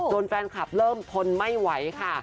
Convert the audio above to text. แฟนคลับเริ่มทนไม่ไหวค่ะ